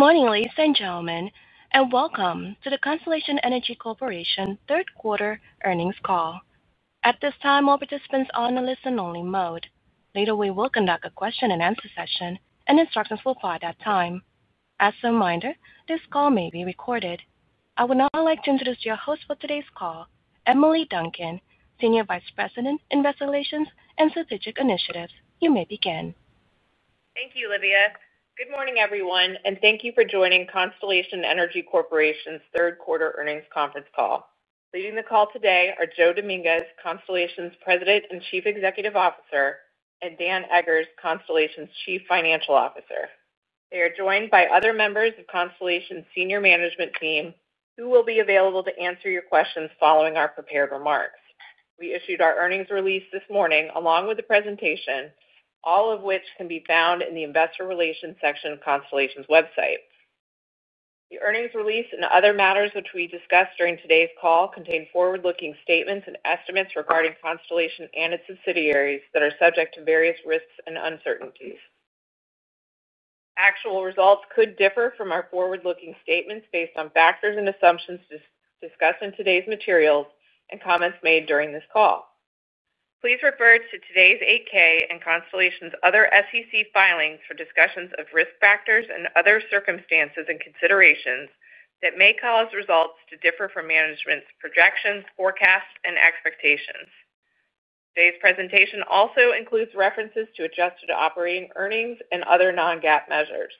Good morning, ladies and gentlemen, and welcome to the Constellation Energy Corporation third quarter earnings call. At this time, all participants are on a listen-only mode. Later, we will conduct a question-and-answer session, and instructions will follow at that time. As a reminder, this call may be recorded. I would now like to introduce your host for today's call, Emily Duncan, Senior Vice President, Investor Relations and Strategic Initiatives. You may begin. Thank you, Olivia. Good morning, everyone, and thank you for joining Constellation Energy Corporation's third quarter earnings conference call. Leading the call today are Joe Dominguez, Constellation's President and Chief Executive Officer, and Dan Eggers, Constellation's Chief Financial Officer. They are joined by other members of Constellation's senior management team who will be available to answer your questions following our prepared remarks. We issued our earnings release this morning along with the presentation, all of which can be found in the Investor Relations section of Constellation's website. The earnings release and other matters which we discussed during today's call contain forward-looking statements and estimates regarding Constellation and its subsidiaries that are subject to various risks and uncertainties. Actual results could differ from our forward-looking statements based on factors and assumptions discussed in today's materials and comments made during this call. Please refer to today's 8-K and Constellation's other SEC filings for discussions of risk factors and other circumstances and considerations that may cause results to differ from management's projections, forecasts, and expectations. Today's presentation also includes references to adjusted operating earnings and other non-GAAP measures.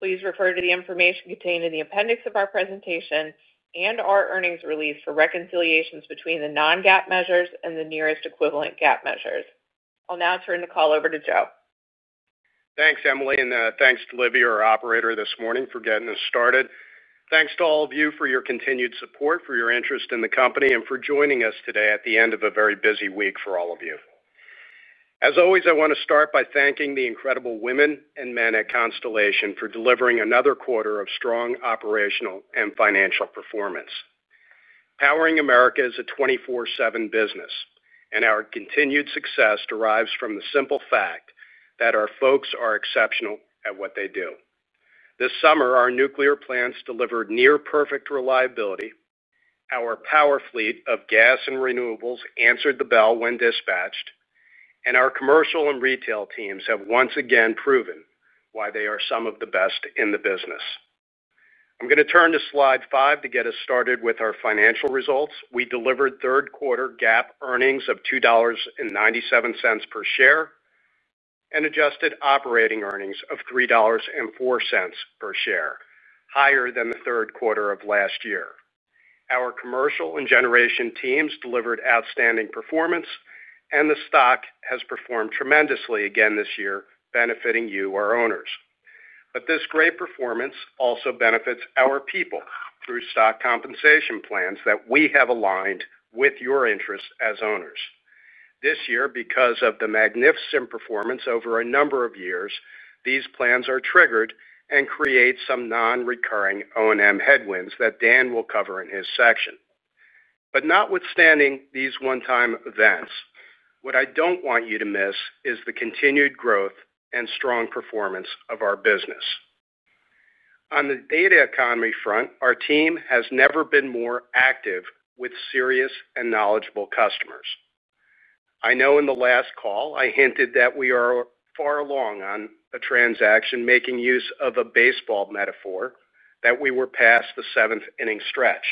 Please refer to the information contained in the appendix of our presentation and our earnings release for reconciliations between the non-GAAP measures and the nearest equivalent GAAP measures. I'll now turn the call over to Joe. Thanks, Emily, and thanks to Olivia, our operator this morning, for getting us started. Thanks to all of you for your continued support, for your interest in the company, and for joining us today at the end of a very busy week for all of you. As always, I want to start by thanking the incredible women and men at Constellation for delivering another quarter of strong operational and financial performance. Powering America is a 24/7 business, and our continued success derives from the simple fact that our folks are exceptional at what they do. This summer, our nuclear plants delivered near-perfect reliability, our power fleet of gas and renewables answered the bell when dispatched, and our commercial and retail teams have once again proven why they are some of the best in the business. I'm going to turn to slide five to get us started with our financial results. We delivered third quarter GAAP earnings of $2.97 per share and adjusted operating earnings of $3.04 per share, higher than the third quarter of last year. Our commercial and generation teams delivered outstanding performance, and the stock has performed tremendously again this year, benefiting you, our owners. This great performance also benefits our people through stock compensation plans that we have aligned with your interests as owners. This year, because of the magnificent performance over a number of years, these plans are triggered and create some non-recurring O&M headwinds that Dan will cover in his section. Notwithstanding these one-time events, what I do not want you to miss is the continued growth and strong performance of our business. On the data economy front, our team has never been more active with serious and knowledgeable customers. I know in the last call I hinted that we are far along on a transaction making use of a baseball metaphor that we were past the seventh-inning stretch.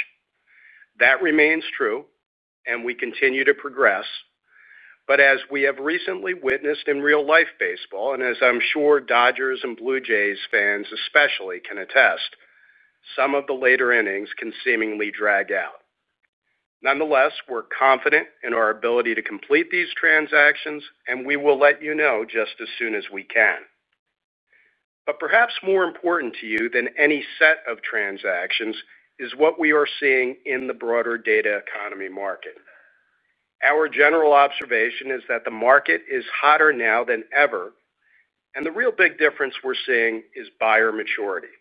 That remains true, and we continue to progress. As we have recently witnessed in real-life baseball, and as I am sure Dodgers and Blue Jays fans especially can attest, some of the later innings can seemingly drag out. Nonetheless, we are confident in our ability to complete these transactions, and we will let you know just as soon as we can. Perhaps more important to you than any set of transactions is what we are seeing in the broader data economy market. Our general observation is that the market is hotter now than ever, and the real big difference we are seeing is buyer maturity.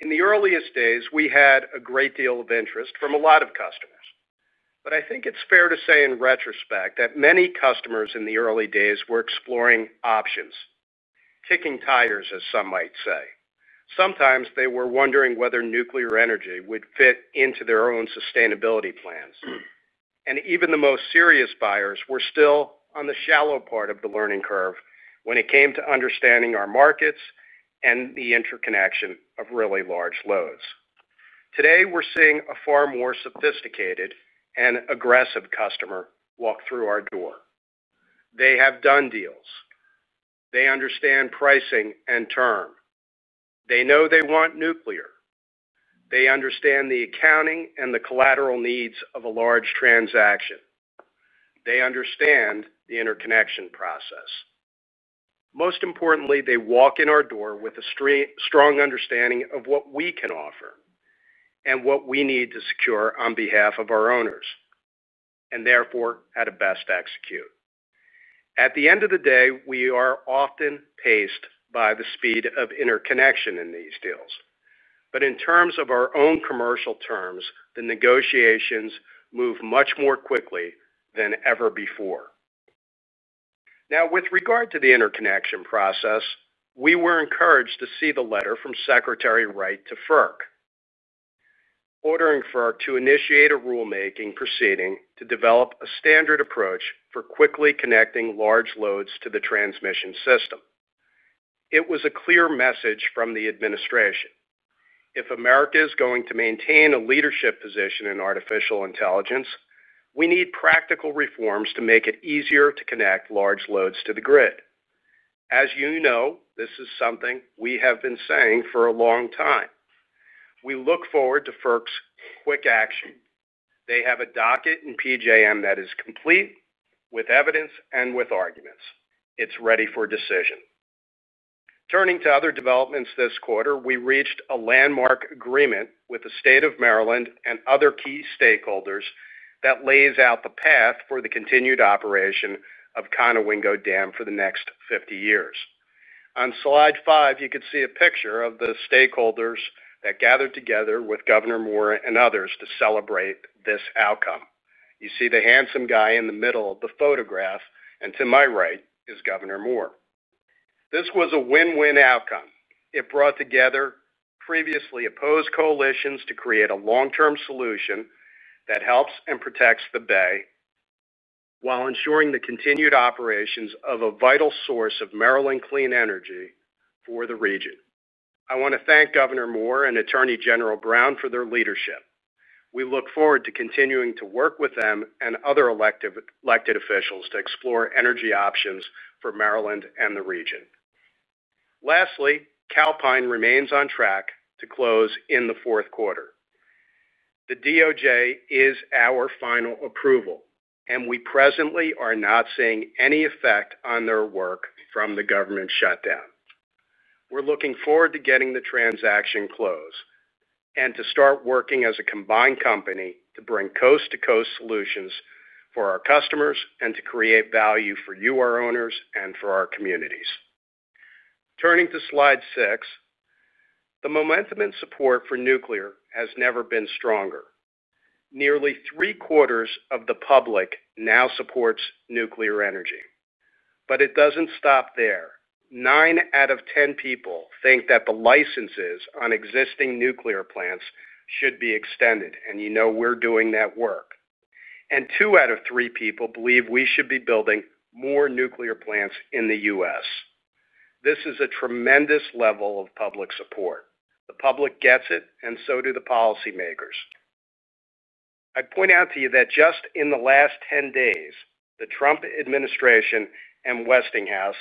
In the earliest days, we had a great deal of interest from a lot of customers. I think it's fair to say in retrospect that many customers in the early days were exploring options, kicking tires, as some might say. Sometimes they were wondering whether nuclear energy would fit into their own sustainability plans. Even the most serious buyers were still on the shallow part of the learning curve when it came to understanding our markets and the interconnection of really large loads. Today, we're seeing a far more sophisticated and aggressive customer walk through our door. They have done deals. They understand pricing and term. They know they want nuclear. They understand the accounting and the collateral needs of a large transaction. They understand the interconnection process. Most importantly, they walk in our door with a strong understanding of what we can offer and what we need to secure on behalf of our owners, and therefore how to best execute. At the end of the day, we are often paced by the speed of interconnection in these deals. In terms of our own commercial terms, the negotiations move much more quickly than ever before. Now, with regard to the interconnection process, we were encouraged to see the letter from Secretary Wright to FERC, ordering FERC to initiate a rulemaking proceeding to develop a standard approach for quickly connecting large loads to the transmission system. It was a clear message from the administration. If America is going to maintain a leadership position in artificial intelligence, we need practical reforms to make it easier to connect large loads to the grid. As you know, this is something we have been saying for a long time. We look forward to FERC's quick action. They have a docket in PJM that is complete with evidence and with arguments. It's ready for decision. Turning to other developments this quarter, we reached a landmark agreement with the state of Maryland and other key stakeholders that lays out the path for the continued operation of Conowingo Dam for the next 50 years. On slide five, you could see a picture of the stakeholders that gathered together with Governor Moore and others to celebrate this outcome. You see the handsome guy in the middle of the photograph, and to my right is Governor Moore. This was a win-win outcome. It brought together previously opposed coalitions to create a long-term solution that helps and protects the bay while ensuring the continued operations of a vital source of Maryland clean energy for the region. I want to thank Governor Moore and Attorney General Brown for their leadership. We look forward to continuing to work with them and other elected officials to explore energy options for Maryland and the region. Lastly, Calpine remains on track to close in the fourth quarter. The DOJ is our final approval, and we presently are not seeing any effect on their work from the government shutdown. We're looking forward to getting the transaction closed and to start working as a combined company to bring coast-to-coast solutions for our customers and to create value for you, our owners, and for our communities. Turning to slide six, the momentum and support for nuclear has never been stronger. Nearly three-quarters of the public now supports nuclear energy. It does not stop there. Nine out of ten people think that the licenses on existing nuclear plants should be extended, and you know we're doing that work. Two out of three people believe we should be building more nuclear plants in the U.S. This is a tremendous level of public support. The public gets it, and so do the policymakers. I'd point out to you that just in the last ten days, the Trump administration and Westinghouse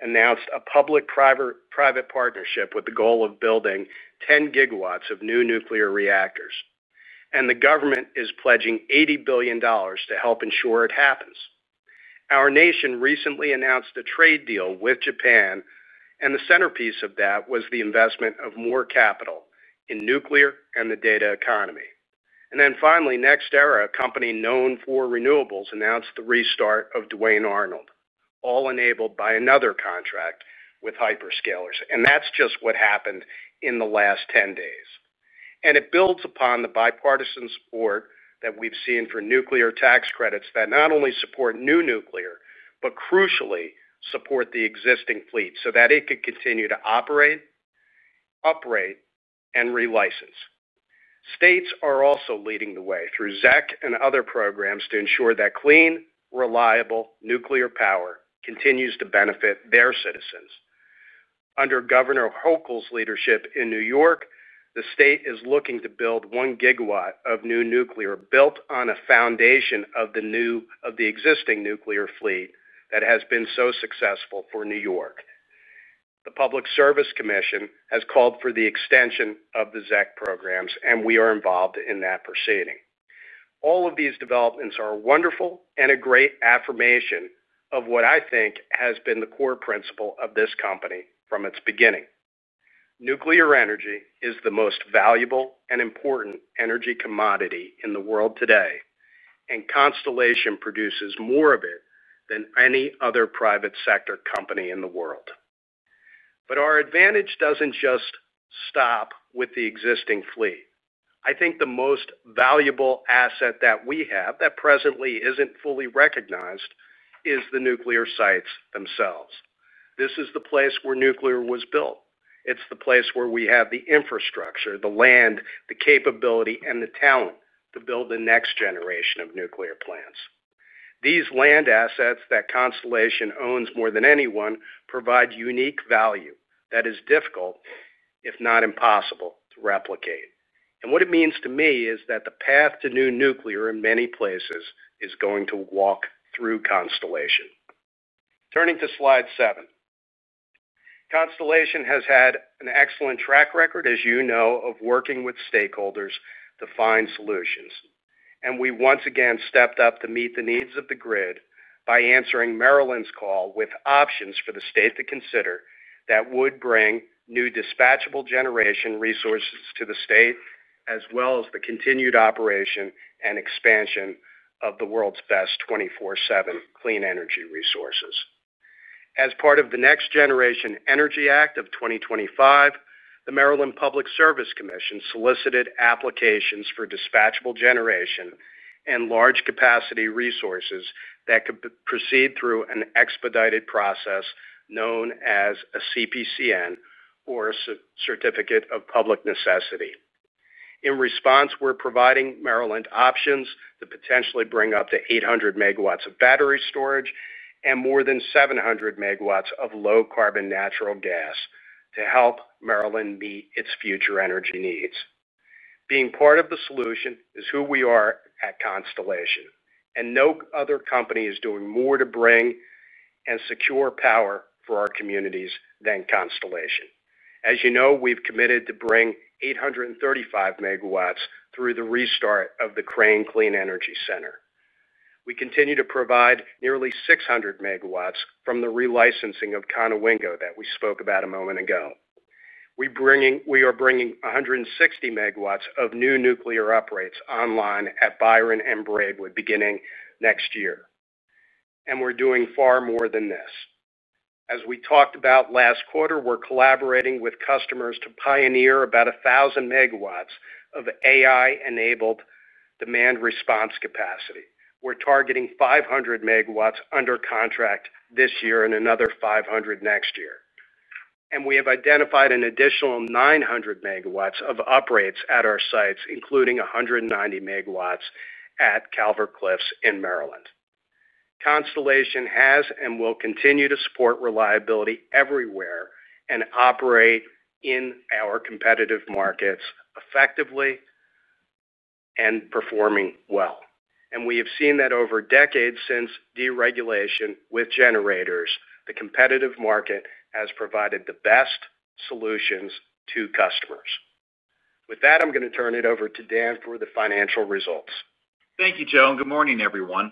announced a public-private partnership with the goal of building 10 GW of new nuclear reactors. The government is pledging $80 billion to help ensure it happens. Our nation recently announced a trade deal with Japan, and the centerpiece of that was the investment of more capital in nuclear and the data economy. Finally, NextEra, a company known for renewables, announced the restart of Duane Arnold, all enabled by another contract with hyperscalers. That's just what happened in the last ten days. It builds upon the bipartisan support that we have seen for nuclear tax credits that not only support new nuclear, but crucially support the existing fleet so that it could continue to operate, uprate, and relicense. States are also leading the way through ZEC and other programs to ensure that clean, reliable nuclear power continues to benefit their citizens. Under Governor Hochul's leadership in New York, the state is looking to build one gigawatt of new nuclear built on a foundation of the existing nuclear fleet that has been so successful for New York. The Public Service Commission has called for the extension of the ZEC programs, and we are involved in that proceeding. All of these developments are wonderful and a great affirmation of what I think has been the core principle of this company from its beginning. Nuclear energy is the most valuable and important energy commodity in the world today, and Constellation produces more of it than any other private sector company in the world. Our advantage does not just stop with the existing fleet. I think the most valuable asset that we have that presently is not fully recognized is the nuclear sites themselves. This is the place where nuclear was built. It is the place where we have the infrastructure, the land, the capability, and the talent to build the next generation of nuclear plants. These land assets that Constellation owns more than anyone provide unique value that is difficult, if not impossible, to replicate. What it means to me is that the path to new nuclear in many places is going to walk through Constellation. Turning to slide seven, Constellation has had an excellent track record, as you know, of working with stakeholders to find solutions. We once again stepped up to meet the needs of the grid by answering Maryland's call with options for the state to consider that would bring new dispatchable generation resources to the state, as well as the continued operation and expansion of the world's best 24/7 clean energy resources. As part of the Next Generation Energy Act of 2025, the Maryland Public Service Commission solicited applications for dispatchable generation and large capacity resources that could proceed through an expedited process known as a CPCN, or a Certificate of Public Necessity. In response, we're providing Maryland options that potentially bring up to 800 MW of battery storage and more than 700 MW of low-carbon natural gas to help Maryland meet its future energy needs. Being part of the solution is who we are at Constellation, and no other company is doing more to bring and secure power for our communities than Constellation. As you know, we've committed to bring 835 MW through the restart of the Crane Clean Energy Center. We continue to provide nearly 600 MW from the relicensing of Conowingo that we spoke about a moment ago. We are bringing 160 MW of new nuclear uprates online at Byron and Braidwood beginning next year. We are doing far more than this. As we talked about last quarter, we're collaborating with customers to pioneer about 1,000 MW of AI-enabled demand response capacity. We're targeting 500 MW under contract this year and another 500 next year. We have identified an additional 900 MW of uprates at our sites, including 190 MW at Calvert Cliffs in Maryland. Constellation has and will continue to support reliability everywhere and operate in our competitive markets effectively and performing well. We have seen that over decades since deregulation with generators, the competitive market has provided the best solutions to customers. With that, I'm going to turn it over to Dan for the financial results. Thank you, Joe. Good morning, everyone.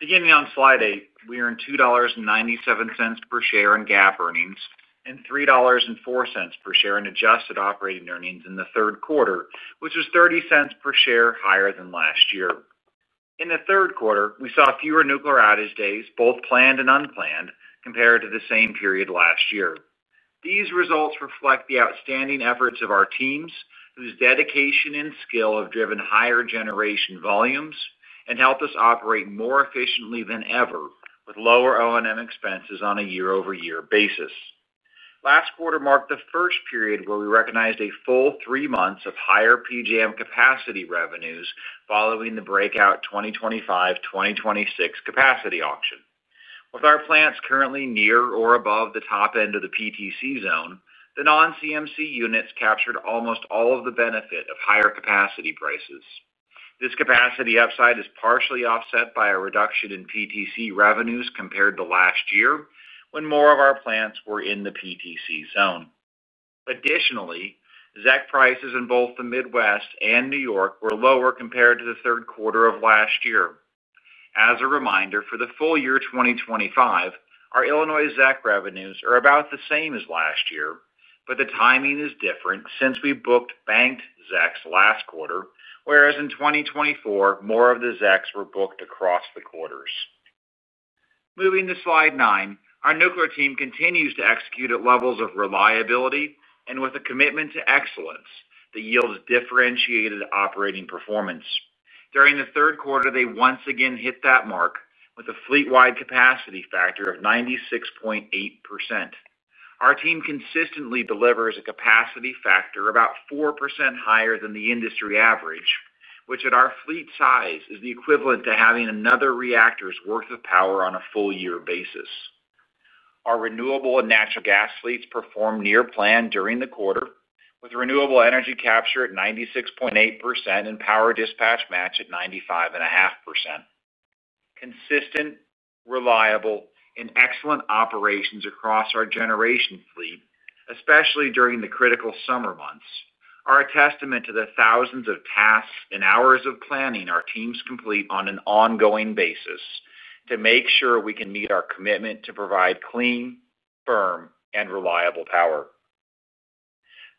Beginning on slide eight, we are in $2.97 per share in GAAP earnings and $3.04 per share in adjusted operating earnings in the third quarter, which was $0.30 per share higher than last year. In the third quarter, we saw fewer nuclear outage days, both planned and unplanned, compared to the same period last year. These results reflect the outstanding efforts of our teams, whose dedication and skill have driven higher generation volumes and helped us operate more efficiently than ever with lower O&M expenses on a year-over-year basis. Last quarter marked the first period where we recognized a full three months of higher PJM capacity revenues following the breakout 2025-2026 capacity auction. With our plants currently near or above the top end of the PTC zone, the non-CMC units captured almost all of the benefit of higher capacity prices. This capacity upside is partially offset by a reduction in PTC revenues compared to last year when more of our plants were in the PTC zone. Additionally, ZEC prices in both the Midwest and New York were lower compared to the third quarter of last year. As a reminder, for the full year 2025, our Illinois ZEC revenues are about the same as last year, but the timing is different since we booked banked ZECs last quarter, whereas in 2024, more of the ZECs were booked across the quarters. Moving to slide nine, our nuclear team continues to execute at levels of reliability and with a commitment to excellence that yields differentiated operating performance. During the third quarter, they once again hit that mark with a fleet-wide capacity factor of 96.8%. Our team consistently delivers a capacity factor about 4% higher than the industry average, which at our fleet size is the equivalent to having another reactor's worth of power on a full-year basis. Our renewable and natural gas fleets performed near plan during the quarter, with renewable energy capture at 96.8% and power dispatch match at 95.5%. Consistent, reliable, and excellent operations across our generation fleet, especially during the critical summer months, are a testament to the thousands of tasks and hours of planning our teams complete on an ongoing basis to make sure we can meet our commitment to provide clean, firm, and reliable power.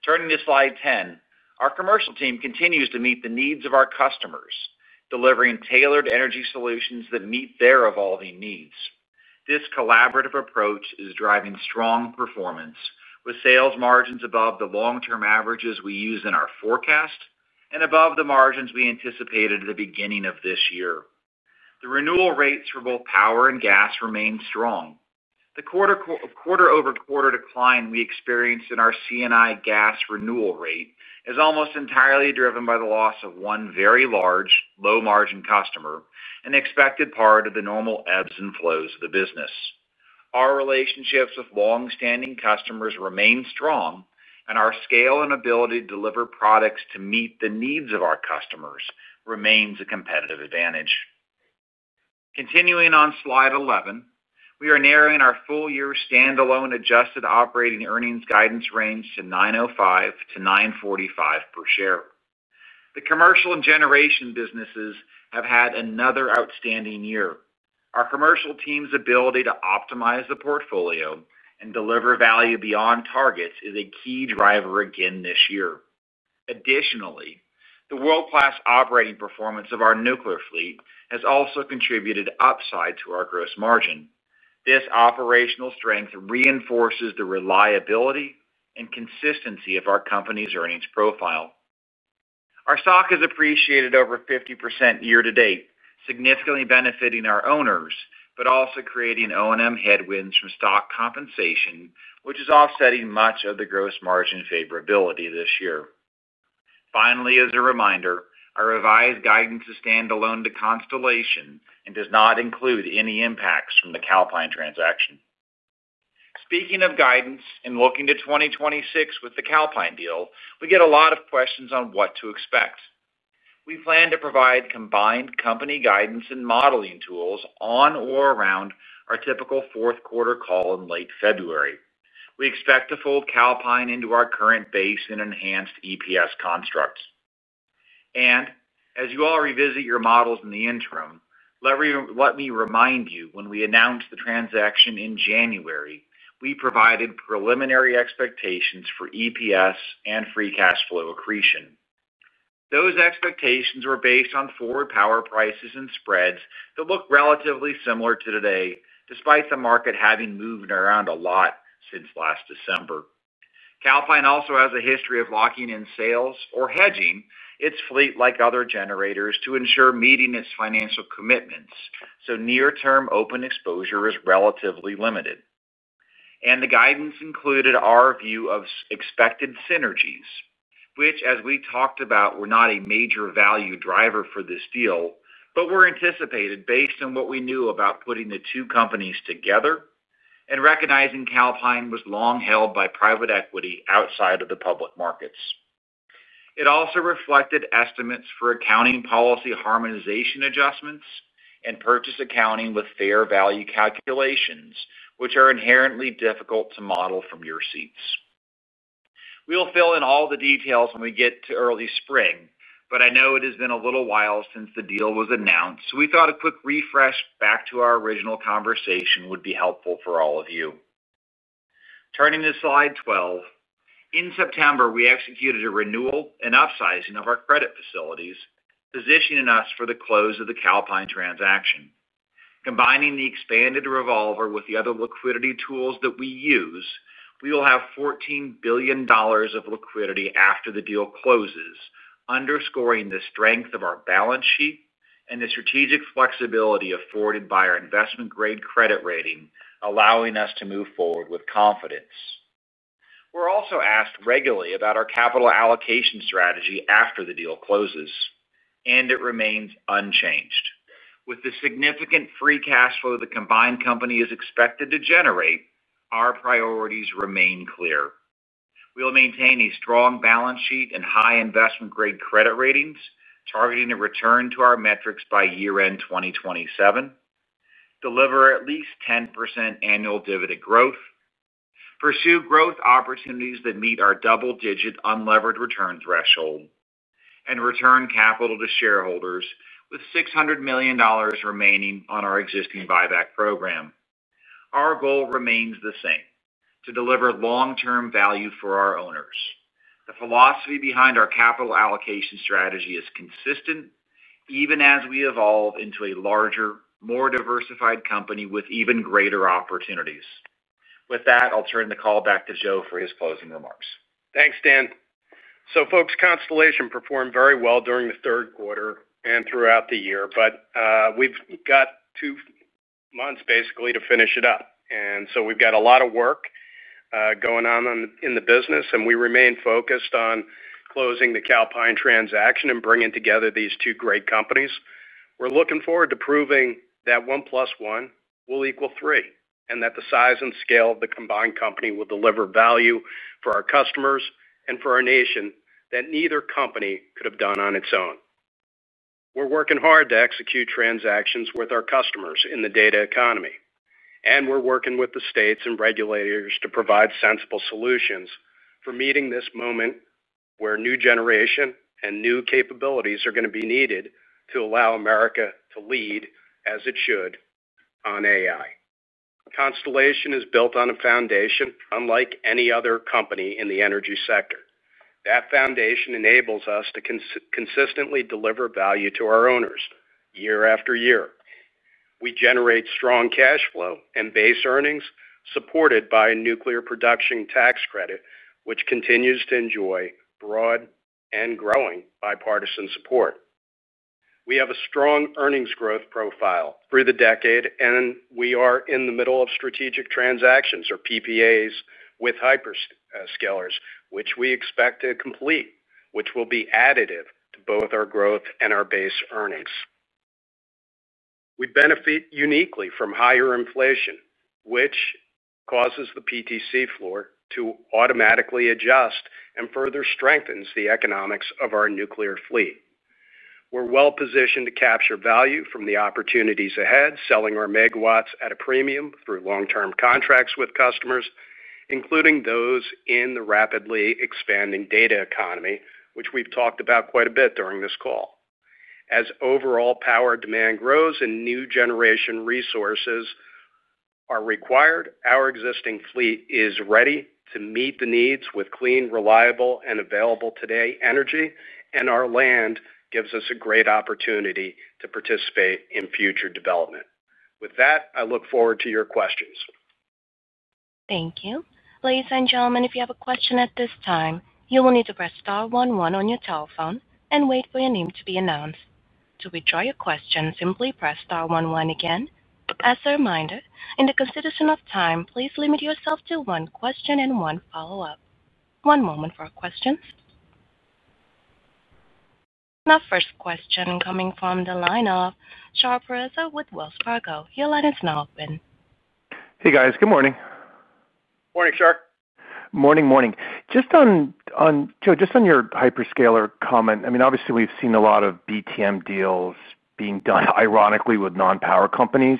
Turning to slide ten, our commercial team continues to meet the needs of our customers, delivering tailored energy solutions that meet their evolving needs. This collaborative approach is driving strong performance, with sales margins above the long-term averages we use in our forecast and above the margins we anticipated at the beginning of this year. The renewal rates for both power and gas remain strong. The quarter-over-quarter decline we experienced in our CNI gas renewal rate is almost entirely driven by the loss of one very large, low-margin customer, an expected part of the normal ebbs and flows of the business. Our relationships with long-standing customers remain strong, and our scale and ability to deliver products to meet the needs of our customers remains a competitive advantage. Continuing on slide 11, we are narrowing our full-year standalone adjusted operating earnings guidance range to $905-$945 per share. The commercial and generation businesses have had another outstanding year. Our commercial team's ability to optimize the portfolio and deliver value beyond targets is a key driver again this year. Additionally, the world-class operating performance of our nuclear fleet has also contributed upside to our gross margin. This operational strength reinforces the reliability and consistency of our company's earnings profile. Our stock has appreciated over 50% year-to-date, significantly benefiting our owners, but also creating O&M headwinds from stock compensation, which is offsetting much of the gross margin favorability this year. Finally, as a reminder, our revised guidance is standalone to Constellation and does not include any impacts from the Calpine transaction. Speaking of guidance and looking to 2026 with the Calpine deal, we get a lot of questions on what to expect. We plan to provide combined company guidance and modeling tools on or around our typical fourth quarter call in late February. We expect to fold Calpine into our current base and enhanced EPS constructs. As you all revisit your models in the interim, let me remind you when we announced the transaction in January, we provided preliminary expectations for EPS and free cash flow accretion. Those expectations were based on forward power prices and spreads that look relatively similar to today, despite the market having moved around a lot since last December. Calpine also has a history of locking in sales or hedging its fleet like other generators to ensure meeting its financial commitments, so near-term open exposure is relatively limited. The guidance included our view of expected synergies, which, as we talked about, were not a major value driver for this deal, but were anticipated based on what we knew about putting the two companies together and recognizing Calpine was long held by private equity outside of the public markets. It also reflected estimates for accounting policy harmonization adjustments and purchase accounting with fair value calculations, which are inherently difficult to model from your seats. We will fill in all the details when we get to early spring, but I know it has been a little while since the deal was announced, so we thought a quick refresh back to our original conversation would be helpful for all of you. Turning to slide 12, in September, we executed a renewal and upsizing of our credit facilities, positioning us for the close of the Calpine transaction. Combining the expanded revolver with the other liquidity tools that we use, we will have $14 billion of liquidity after the deal closes, underscoring the strength of our balance sheet and the strategic flexibility afforded by our investment-grade credit rating, allowing us to move forward with confidence. We're also asked regularly about our capital allocation strategy after the deal closes, and it remains unchanged. With the significant free cash flow the combined company is expected to generate, our priorities remain clear. We will maintain a strong balance sheet and high investment-grade credit ratings, targeting a return to our metrics by year-end 2027, deliver at least 10% annual dividend growth, pursue growth opportunities that meet our double-digit unlevered return threshold, and return capital to shareholders with $600 million remaining on our existing buyback program. Our goal remains the same: to deliver long-term value for our owners. The philosophy behind our capital allocation strategy is consistent, even as we evolve into a larger, more diversified company with even greater opportunities. With that, I'll turn the call back to Joe for his closing remarks. Thanks, Dan. So folks, Constellation performed very well during the third quarter and throughout the year, but we've got two months basically to finish it up. We have a lot of work going on in the business, and we remain focused on closing the Calpine transaction and bringing together these two great companies. We are looking forward to proving that one plus one will equal three and that the size and scale of the combined company will deliver value for our customers and for our nation that neither company could have done on its own. We are working hard to execute transactions with our customers in the data economy, and we are working with the states and regulators to provide sensible solutions for meeting this moment where new generation and new capabilities are going to be needed to allow America to lead as it should on AI. Constellation is built on a foundation unlike any other company in the energy sector. That foundation enables us to consistently deliver value to our owners year after year. We generate strong cash flow and base earnings supported by a nuclear production tax credit, which continues to enjoy broad and growing bipartisan support. We have a strong earnings growth profile through the decade, and we are in the middle of strategic transactions, or PPAs, with hyperscalers, which we expect to complete, which will be additive to both our growth and our base earnings. We benefit uniquely from higher inflation, which causes the PTC floor to automatically adjust and further strengthens the economics of our nuclear fleet. We're well positioned to capture value from the opportunities ahead, selling our megawatts at a premium through long-term contracts with customers, including those in the rapidly expanding data economy, which we've talked about quite a bit during this call. As overall power demand grows and new generation resources are required, our existing fleet is ready to meet the needs with clean, reliable, and available today energy, and our land gives us a great opportunity to participate in future development. With that, I look forward to your questions. Thank you. Ladies and gentlemen, if you have a question at this time, you will need to press star one one on your telephone and wait for your name to be announced. To withdraw your question, simply press star one one again. As a reminder, in the consideration of time, please limit yourself to one question and one follow-up. One moment for questions. Now, first question coming from the line of Shar Pourreza with Wells Fargo. Your line is now open. Hey, guys. Good morning. Morning, Shar. Morning, morning. Just on, Joe, just on your hyperscaler comment, I mean, obviously, we've seen a lot of BTM deals being done, ironically, with non-power companies.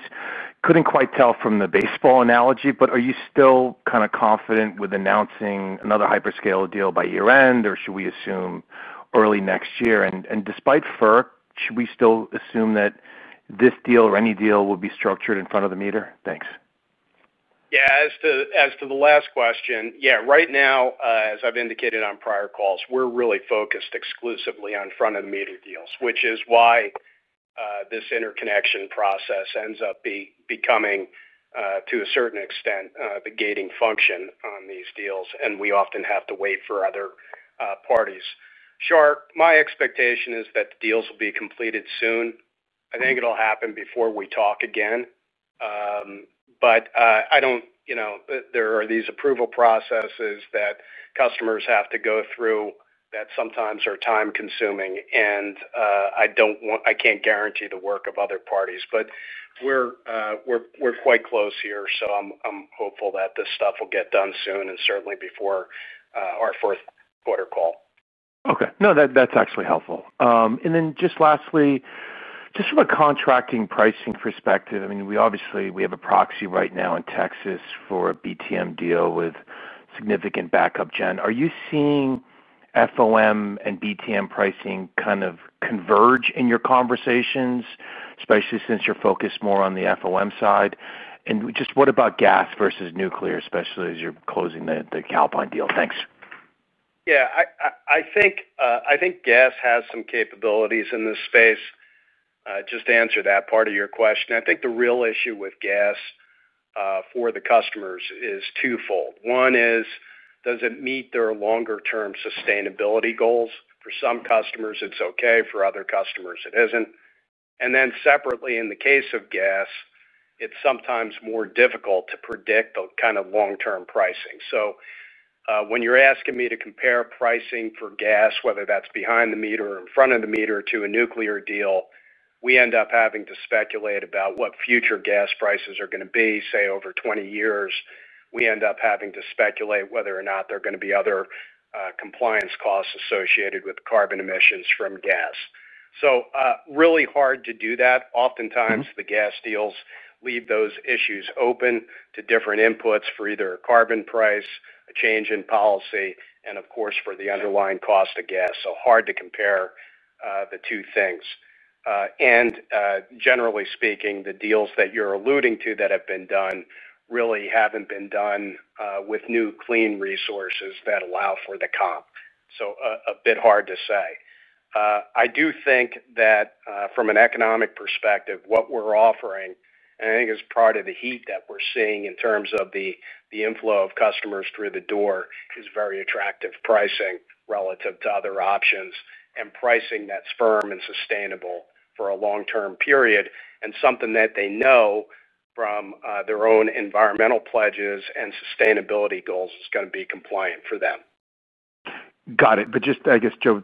Couldn't quite tell from the baseball analogy, but are you still kind of confident with announcing another hyperscale deal by year-end, or should we assume early next year? And despite FERC, should we still assume that this deal or any deal will be structured in front of the meter? Thanks. Yeah, as to the last question, yeah, right now, as I've indicated on prior calls, we're really focused exclusively on front-of-the-meter deals, which is why this interconnection process ends up becoming, to a certain extent, the gating function on these deals, and we often have to wait for other parties. Shar, my expectation is that the deals will be completed soon. I think it'll happen before we talk again, but I don't—there are these approval processes that customers have to go through that sometimes are time-consuming, and I can't guarantee the work of other parties. We are quite close here, so I'm hopeful that this stuff will get done soon and certainly before our fourth quarter call. Okay. No, that's actually helpful. And then just lastly, just from a contracting pricing perspective, I mean, obviously, we have a proxy right now in Texas for a BTM deal with significant backup gen. Are you seeing FOM and BTM pricing kind of converge in your conversations, especially since you're focused more on the FOM side? And just what about gas versus nuclear, especially as you're closing the Calpine deal? Thanks. Yeah, I think gas has some capabilities in this space. Just to answer that part of your question, I think the real issue with gas for the customers is twofold. One is, does it meet their longer-term sustainability goals? For some customers, it's okay. For other customers, it isn't. Separately, in the case of gas, it's sometimes more difficult to predict the kind of long-term pricing. When you're asking me to compare pricing for gas, whether that's behind the meter or in front of the meter to a nuclear deal, we end up having to speculate about what future gas prices are going to be, say, over 20 years. We end up having to speculate whether or not there are going to be other compliance costs associated with carbon emissions from gas. Really hard to do that. Oftentimes, the gas deals leave those issues open to different inputs for either a carbon price, a change in policy, and of course, for the underlying cost of gas. It is hard to compare the two things. Generally speaking, the deals that you are alluding to that have been done really have not been done with new clean resources that allow for the comp. It is a bit hard to say. I do think that from an economic perspective, what we are offering, and I think it is part of the heat that we are seeing in terms of the inflow of customers through the door, is very attractive pricing relative to other options and pricing that is firm and sustainable for a long-term period and something that they know from their own environmental pledges and sustainability goals is going to be compliant for them. Got it. Just, I guess, Joe,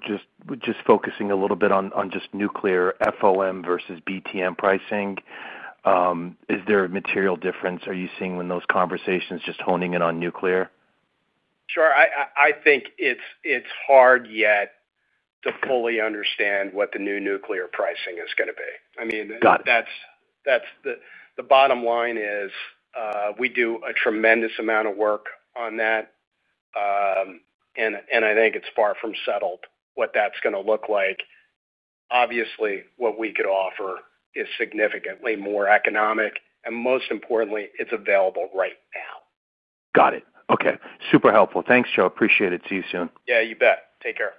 just focusing a little bit on just nuclear FOM versus BTM pricing, is there a material difference? Are you seeing when those conversations just honing in on nuclear? Sure. I think it's hard yet to fully understand what the new nuclear pricing is going to be. I mean, the bottom line is we do a tremendous amount of work on that, and I think it's far from settled what that's going to look like. Obviously, what we could offer is significantly more economic, and most importantly, it's available right now. Got it. Okay. Super helpful. Thanks, Joe. Appreciate it. See you soon. Yeah, you bet. Take care.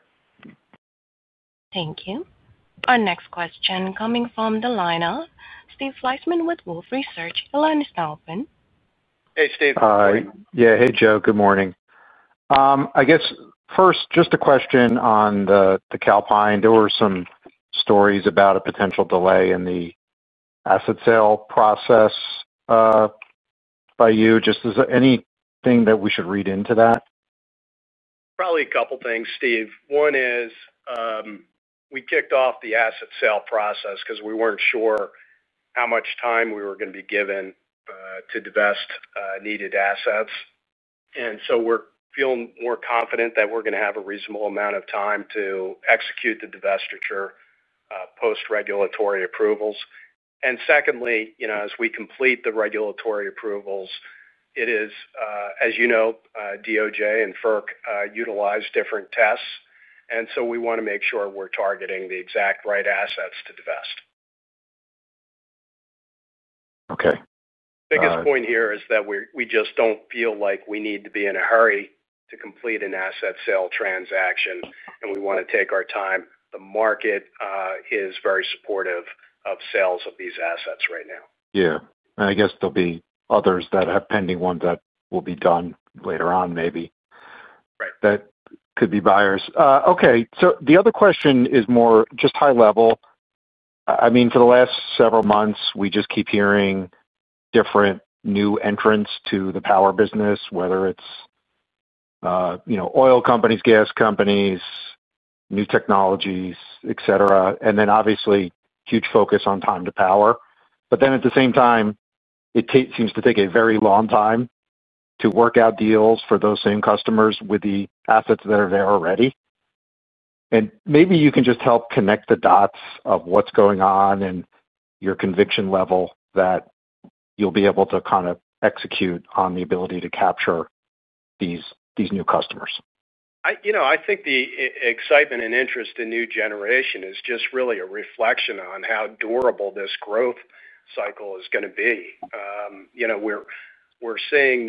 Thank you. Our next question coming from the line of Steve Fleishman with Wolfe Research. Your line is now open. Hey, Steve. Hi. Yeah. Hey, Joe. Good morning. I guess first, just a question on the Calpine. There were some stories about a potential delay in the asset sale process by you. Just is there anything that we should read into that? Probably a couple of things, Steve. One is we kicked off the asset sale process because we were not sure how much time we were going to be given to divest needed assets. We are feeling more confident that we are going to have a reasonable amount of time to execute the divestiture post-regulatory approvals. Secondly, as we complete the regulatory approvals, it is, as you know, DOJ and FERC utilize different tests, and we want to make sure we are targeting the exact right assets to divest. Okay. Biggest point here is that we just do not feel like we need to be in a hurry to complete an asset sale transaction, and we want to take our time. The market is very supportive of sales of these assets right now. Yeah. I guess there'll be others that have pending ones that will be done later on maybe. That could be buyers. Okay. The other question is more just high level. I mean, for the last several months, we just keep hearing different new entrants to the power business, whether it's oil companies, gas companies, new technologies, etc., and then obviously huge focus on time to power. At the same time, it seems to take a very long time to work out deals for those same customers with the assets that are there already. Maybe you can just help connect the dots of what's going on and your conviction level that you'll be able to kind of execute on the ability to capture these new customers. I think the excitement and interest in new generation is just really a reflection on how durable this growth cycle is going to be. We're seeing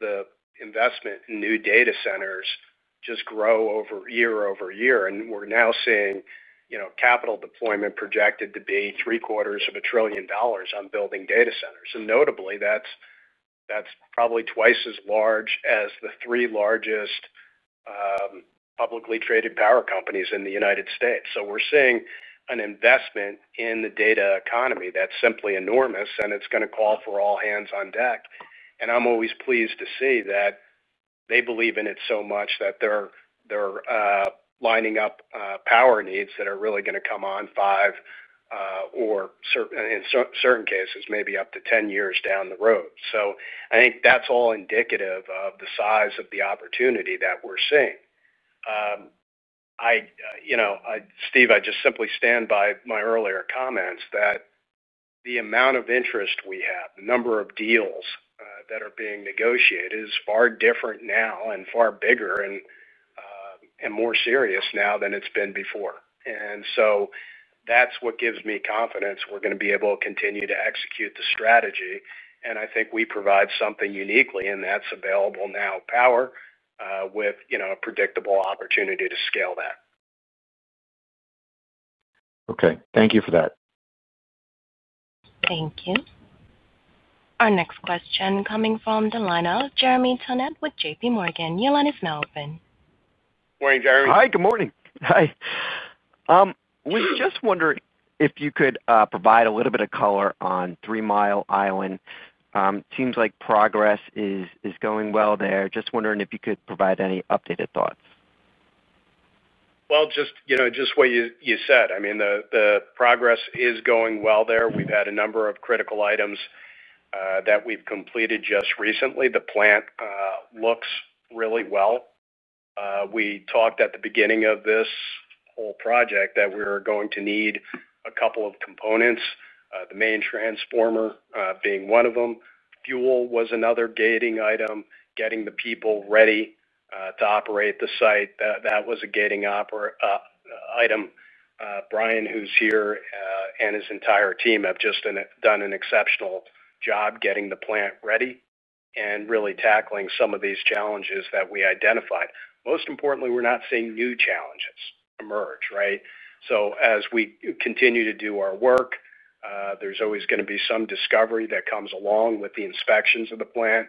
the investment in new data centers just grow year over year, and we're now seeing capital deployment projected to be three-quarters of a trillion dollars on building data centers. Notably, that's probably twice as large as the three largest publicly traded power companies in the United States. We're seeing an investment in the data economy that's simply enormous, and it's going to call for all hands on deck. I'm always pleased to see that they believe in it so much that they're lining up power needs that are really going to come on five or, in certain cases, maybe up to 10 years down the road. I think that's all indicative of the size of the opportunity that we're seeing. Steve, I just simply stand by my earlier comments that the amount of interest we have, the number of deals that are being negotiated is far different now and far bigger and more serious now than it's been before. That is what gives me confidence we're going to be able to continue to execute the strategy. I think we provide something uniquely, and that's available now, power, with a predictable opportunity to scale that. Okay. Thank you for that. Thank you. Our next question coming from the line of Jeremy Tonet with JPMorgan. Your line is now open. Morning, Jeremy. Hi. Good morning. Hi. We just wondered if you could provide a little bit of color on Three Mile Island. It seems like progress is going well there. Just wondering if you could provide any updated thoughts. Just what you said, I mean, the progress is going well there. We've had a number of critical items that we've completed just recently. The plant looks really well. We talked at the beginning of this whole project that we're going to need a couple of components, the main transformer being one of them. Fuel was another gating item. Getting the people ready to operate the site, that was a gating item. Brian, who's here, and his entire team have just done an exceptional job getting the plant ready and really tackling some of these challenges that we identified. Most importantly, we're not seeing new challenges emerge, right? As we continue to do our work, there's always going to be some discovery that comes along with the inspections of the plant.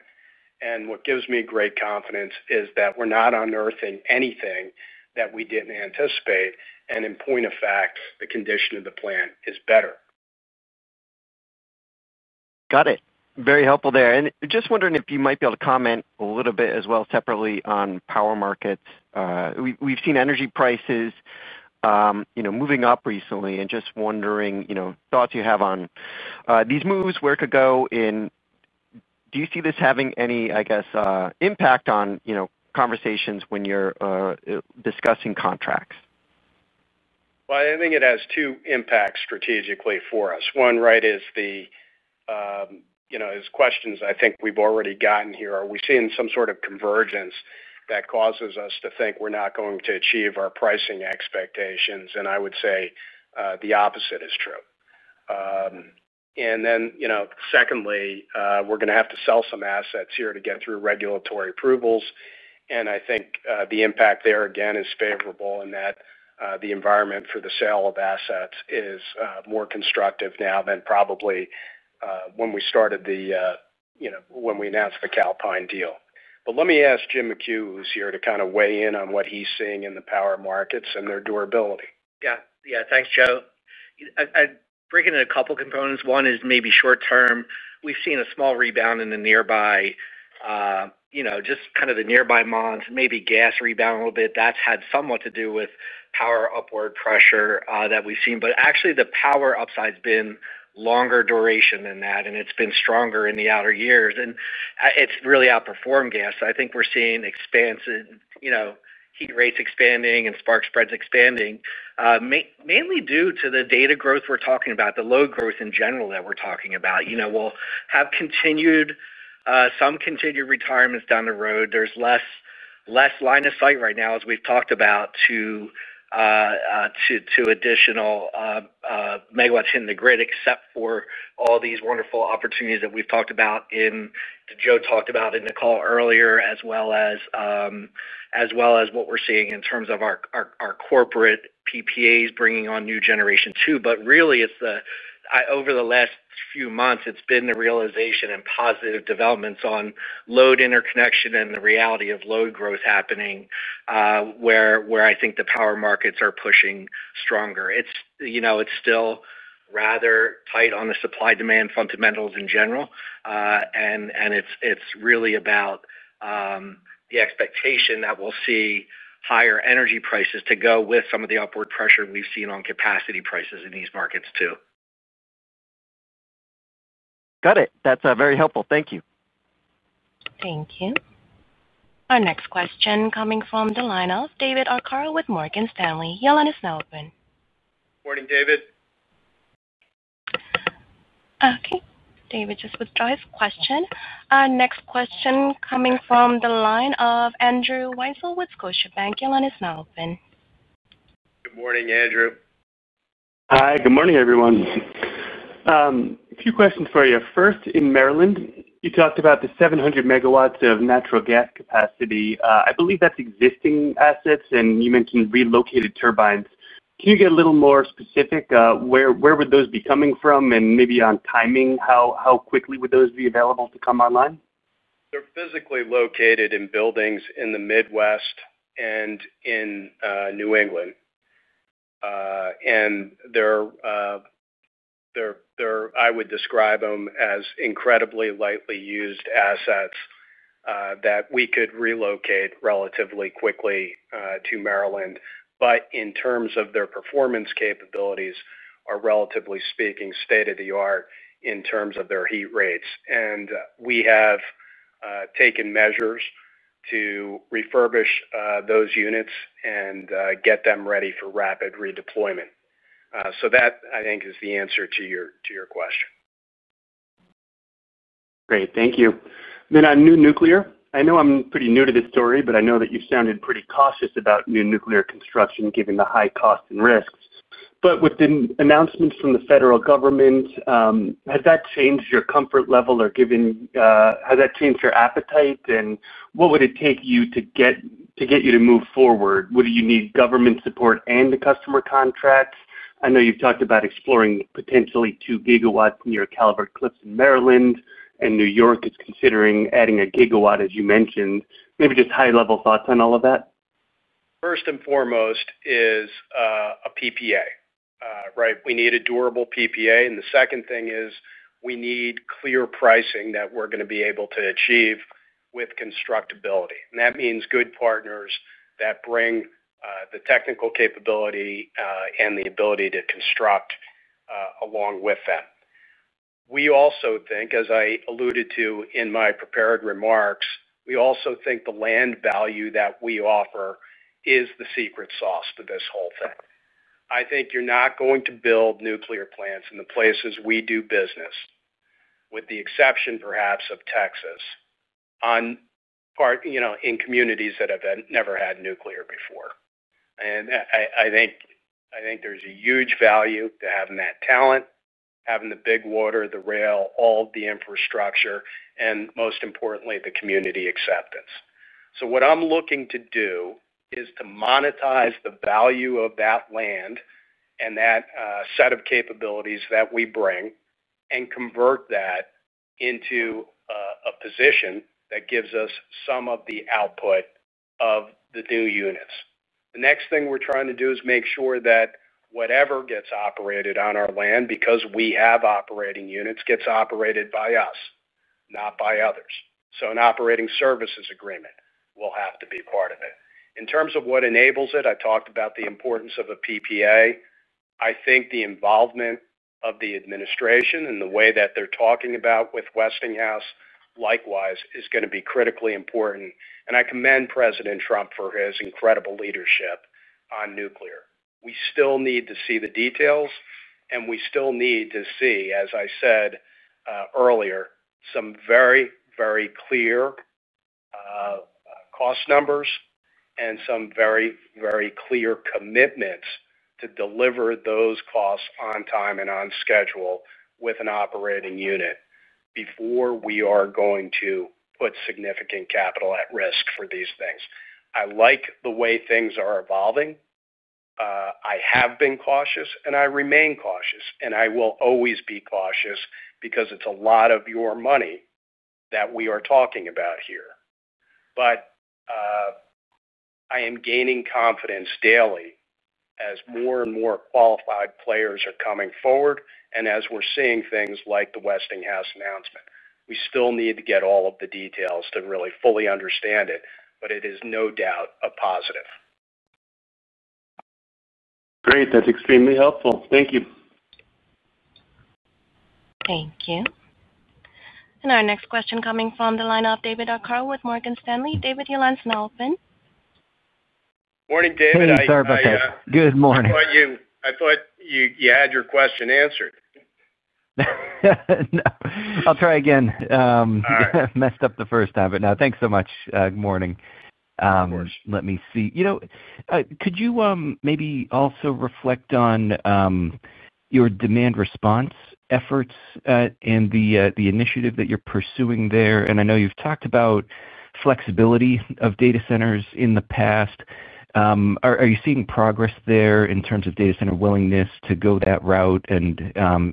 What gives me great confidence is that we're not unearthing anything that we didn't anticipate. In point of fact, the condition of the plant is better. Got it. Very helpful there. I am just wondering if you might be able to comment a little bit as well separately on power markets. We have seen energy prices moving up recently, and just wondering thoughts you have on these moves, where it could go, and do you see this having any, I guess, impact on conversations when you are discussing contracts? I think it has two impacts strategically for us. One, right, is the questions I think we have already gotten here. Are we seeing some sort of convergence that causes us to think we are not going to achieve our pricing expectations? I would say the opposite is true. Secondly, we are going to have to sell some assets here to get through regulatory approvals. I think the impact there again is favorable in that the environment for the sale of assets is more constructive now than probably when we started, when we announced the Calpine deal. Let me ask Jim McHugh, who's here, to kind of weigh in on what he's seeing in the power markets and their durability. Yeah. Thanks, Joe. Breaking into a couple of components, one is maybe short-term. We've seen a small rebound in the nearby, just kind of the nearby months, maybe gas rebound a little bit. That's had somewhat to do with power upward pressure that we've seen. Actually, the power upside's been longer duration than that, and it's been stronger in the outer years. It's really outperformed gas. I think we're seeing heat rates expanding and spark spreads expanding, mainly due to the data growth we're talking about, the load growth in general that we're talking about. We'll have some continued retirements down the road. There's less line of sight right now, as we've talked about, to additional megawatts hitting the grid, except for all these wonderful opportunities that we've talked about and that Joe talked about in the call earlier, as well as what we're seeing in terms of our corporate PPAs bringing on new generation too. Really, over the last few months, it's been the realization and positive developments on load interconnection and the reality of load growth happening where I think the power markets are pushing stronger. It's still rather tight on the supply-demand fundamentals in general, and it's really about the expectation that we'll see higher energy prices to go with some of the upward pressure we've seen on capacity prices in these markets too. Got it. That's very helpful. Thank you. Thank you. Our next question coming from the line of David Arcaro with Morgan Stanley. Your line is now open. Morning, David. Okay. David just withdrew his question. Our next question coming from the line of Andrew Weisel with Scotiabank. Your line is now open. Good morning, Andrew. Hi. Good morning, everyone. A few questions for you. First, in Maryland, you talked about the 700 MW of natural gas capacity. I believe that's existing assets, and you mentioned relocated turbines. Can you get a little more specific? Where would those be coming from? Maybe on timing, how quickly would those be available to come online? They are physically located in buildings in the Midwest and in New England. I would describe them as incredibly lightly used assets that we could relocate relatively quickly to Maryland. In terms of their performance capabilities, they are relatively speaking state-of-the-art in terms of their heat rates. We have taken measures to refurbish those units and get them ready for rapid redeployment. That, I think, is the answer to your question. Great. Thank you. On new nuclear, I know I am pretty new to this story, but I know that you sounded pretty cautious about new nuclear construction given the high cost and risks. With the announcements from the federal government, has that changed your comfort level or has that changed your appetite? What would it take you to get you to move forward? Would you need government support and the customer contracts? I know you've talked about exploring potentially 2 GW near Calvert Cliffs in Maryland, and New York is considering adding a gigawatt, as you mentioned. Maybe just high-level thoughts on all of that. First and foremost is a PPA, right? We need a durable PPA. The second thing is we need clear pricing that we're going to be able to achieve with constructability. That means good partners that bring the technical capability and the ability to construct along with them. We also think, as I alluded to in my prepared remarks, the land value that we offer is the secret sauce to this whole thing. I think you're not going to build nuclear plants in the places we do business, with the exception perhaps of Texas in communities that have never had nuclear before. I think there's a huge value to having that talent, having the big water, the rail, all the infrastructure, and most importantly, the community acceptance. What I'm looking to do is to monetize the value of that land and that set of capabilities that we bring and convert that into a position that gives us some of the output of the new units. The next thing we're trying to do is make sure that whatever gets operated on our land, because we have operating units, gets operated by us, not by others. An operating services agreement will have to be part of it. In terms of what enables it, I talked about the importance of a PPA. I think the involvement of the administration and the way that they're talking about with Westinghouse likewise is going to be critically important. I commend President Trump for his incredible leadership on nuclear. We still need to see the details, and we still need to see, as I said earlier, some very, very clear cost numbers and some very, very clear commitments to deliver those costs on time and on schedule with an operating unit before we are going to put significant capital at risk for these things. I like the way things are evolving. I have been cautious, and I remain cautious. I will always be cautious because it's a lot of your money that we are talking about here. I am gaining confidence daily as more and more qualified players are coming forward and as we're seeing things like the Westinghouse announcement. We still need to get all of the details to really fully understand it, but it is no doubt a positive. Great. That's extremely helpful. Thank you. Thank you. Our next question coming from the line of David Arcaro with Morgan Stanley. David, your line's now open. Morning, David. Hi, Joe. Good morning. How are you? I thought you had your question answered. I'll try again. Messed up the first time, but now thanks so much. Good morning. Of course. Let me see. Could you maybe also reflect on your demand response efforts and the initiative that you're pursuing there? I know you've talked about flexibility of data centers in the past. Are you seeing progress there in terms of data center willingness to go that route and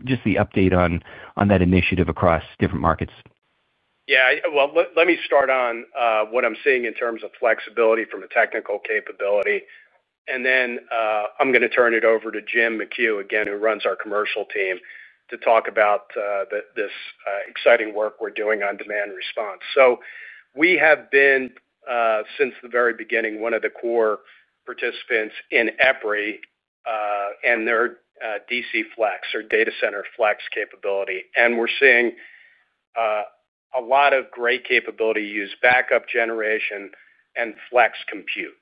just the update on that initiative across different markets? Yeah. Let me start on what I'm seeing in terms of flexibility from a technical capability. Then I'm going to turn it over to Jim McHugh again, who runs our commercial team, to talk about this exciting work we're doing on demand response. We have been, since the very beginning, one of the core participants in EPRI and their DCFlex or data center flex capability. We're seeing a lot of great capability to use backup generation and flex compute.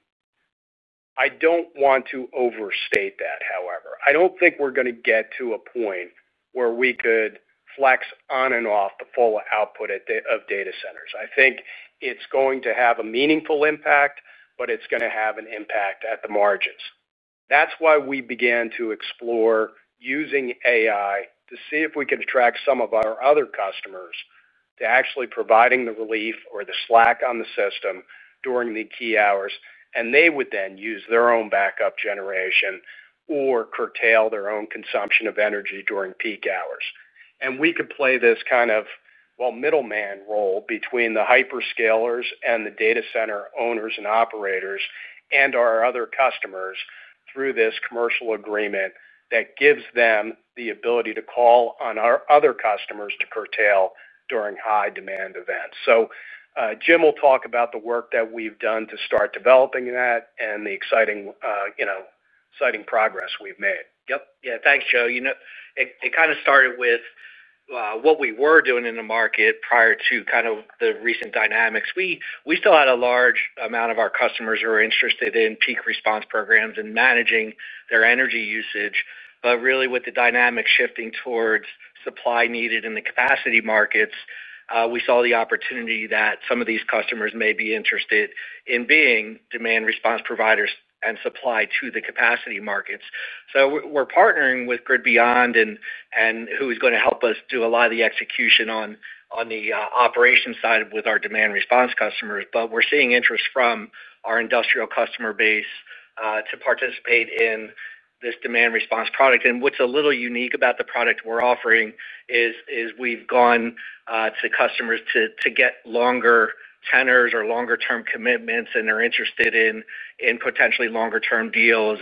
I don't want to overstate that, however. I don't think we're going to get to a point where we could flex on and off the full output of data centers. I think it's going to have a meaningful impact, but it's going to have an impact at the margins. That's why we began to explore using AI to see if we could attract some of our other customers to actually providing the relief or the slack on the system during the key hours. They would then use their own backup generation or curtail their own consumption of energy during peak hours. We could play this kind of, well, middleman role between the hyperscalers and the data center owners and operators and our other customers through this commercial agreement that gives them the ability to call on our other customers to curtail during high demand events. Jim will talk about the work that we've done to start developing that and the exciting progress we've made. Yep. Yeah. Thanks, Joe. It kind of started with what we were doing in the market prior to kind of the recent dynamics. We still had a large amount of our customers who were interested in peak response programs and managing their energy usage. Really, with the dynamic shifting towards supply needed in the capacity markets, we saw the opportunity that some of these customers may be interested in being demand response providers and supply to the capacity markets. We are partnering with Grid Beyond, who is going to help us do a lot of the execution on the operation side with our demand response customers. We are seeing interest from our industrial customer base to participate in this demand response product. What is a little unique about the product we are offering is we have gone to customers to get longer tenors or longer-term commitments, and they are interested in potentially longer-term deals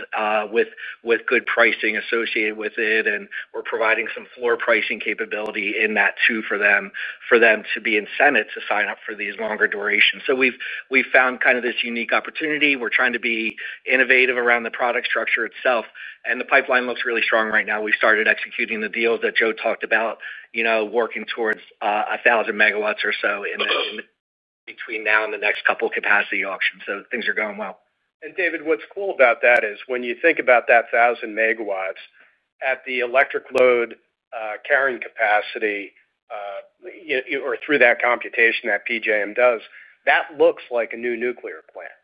with good pricing associated with it. We're providing some floor pricing capability in that too for them to be incented to sign up for these longer durations. We've found kind of this unique opportunity. We're trying to be innovative around the product structure itself. The pipeline looks really strong right now. We started executing the deals that Joe talked about, working towards 1,000 MW or so in between now and the next couple of capacity auctions. Things are going well. David, what's cool about that is when you think about that 1,000 MW at the electric load carrying capacity or through that computation that PJM does, that looks like a new nuclear plant.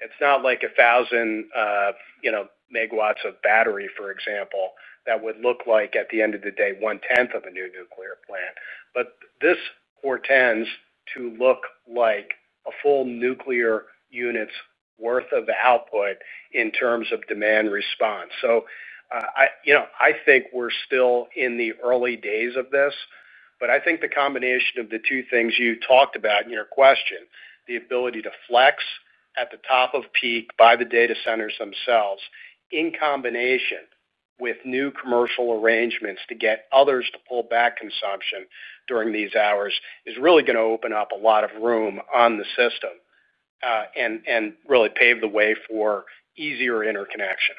It's not like 1,000 MW of battery, for example, that would look like at the end of the day, one-tenth of a new nuclear plant. This portends to look like a full nuclear unit's worth of output in terms of demand response. I think we're still in the early days of this. I think the combination of the two things you talked about in your question, the ability to flex at the top of peak by the data centers themselves in combination with new commercial arrangements to get others to pull back consumption during these hours is really going to open up a lot of room on the system and really pave the way for easier interconnection.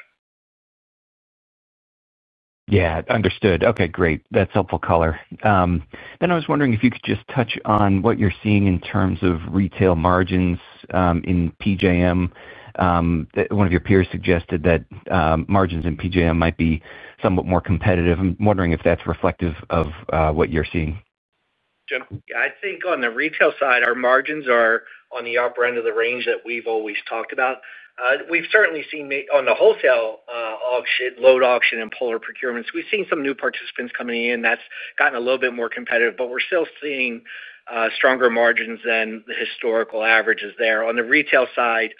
Yeah. Understood. Okay. Great. That's helpful, Collar. I was wondering if you could just touch on what you're seeing in terms of retail margins in PJM. One of your peers suggested that margins in PJM might be somewhat more competitive. I'm wondering if that's reflective of what you're seeing. Yeah. I think on the retail side, our margins are on the upper end of the range that we've always talked about. We've certainly seen on the wholesale auction, load auction, and polar procurements, we've seen some new participants coming in. That has gotten a little bit more competitive. We are still seeing stronger margins than the historical averages there. On the retail side,